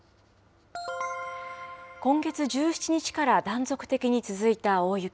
今月１７日から断続的に続いた大雪。